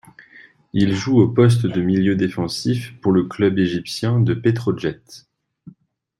Il joue au poste de milieu défensif pour le club égyptien de Petrojet.